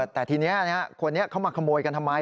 แต่ทีนี้คนนี้เขามาขโมยกันทำไม